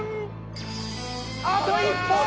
あと一歩。